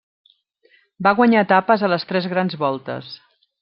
Va guanyar etapes a les tres Grans Voltes.